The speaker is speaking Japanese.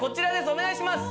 お願いします！